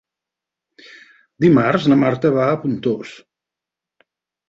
Dimarts na Marta va a Pontós.